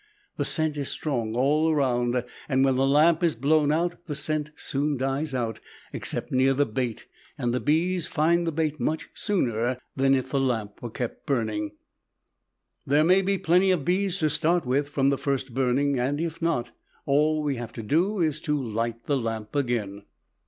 The scent is strong all around and when the lamp is blown out the scent soon dies out except near the bait and the bees find the bait much sooner than if the lamp was kept burning. There may be plenty of bees to start with from the first burning and if not, all we have to do is to light the lamp again.